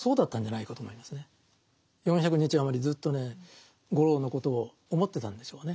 ずっとね五郎のことを思ってたんでしょうね。